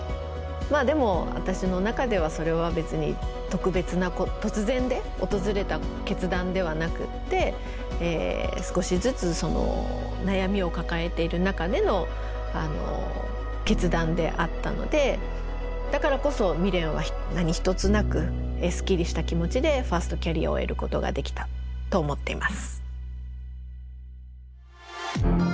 まあでも私の中ではそれは別に特別な突然で訪れた決断ではなくって少しずつ悩みを抱えている中での決断であったのでだからこそ未練は何一つなくすっきりした気持ちでファーストキャリアを終えることができたと思っています。